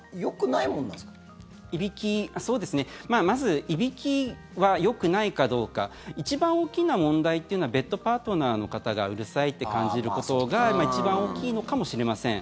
まず、いびきはよくないかどうか一番大きな問題っていうのはベッドパートナーの方がうるさいって感じることが一番大きいのかもしれません。